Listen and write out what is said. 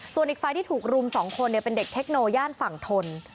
ส่วนอีกฝ่ายที่ถูกรุม๒คนเป็นเด็กเทคโนย่านฝั่งทน